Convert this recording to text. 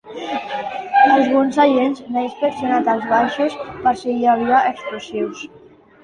Alguns agents n’ha inspeccionat els baixos per si hi havia explosius.